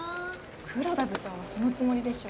黒田部長はそのつもりでしょ。